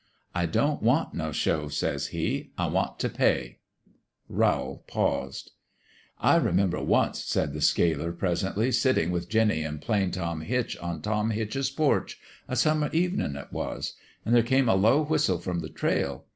"' I don't want no show,' says he. ' I want t' pay.' Rowl paused. 2)4 FAIRMEADOW'S JUSTICE " I remember, once," said the sealer, presently, " sittin' with Jinny an' Plain Tom Hitch on Tom Hitch's porch a summer's evenin', it was. An' there came a low whistle from the trail.